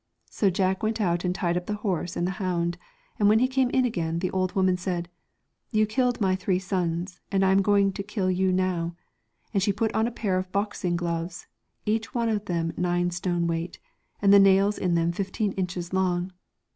So Jack went out and tied up the horse and the hound, and when he came in again the old woman said, 'You killed my three sons, and I'm going to kill you now,' and she put on a pair of boxing gloves, each one of them nine stone weight, and the nails in them fifteen inches long.